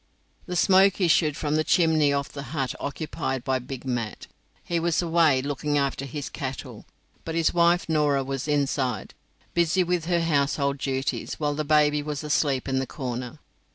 The smoke issued from the chimney of the hut occupied by Big Mat. He was away looking after his cattle, but his wife Norah was inside, busy with her household duties, while the baby was asleep in the corner.